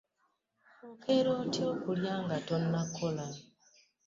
Okeera otya okulya nga tonnakola?